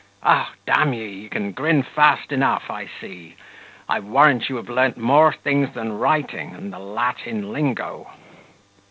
O! d ye, you can grin fast enough I see; I warrant you have learnt more things than writing and the Latin lingo."